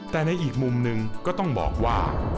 แต่ในอีกมุมหนึ่งก็ต้องบอกว่า